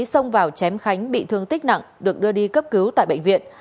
xông vào chém khánh bị thương tích nặng được đưa đi cấp cứu tại bệnh viện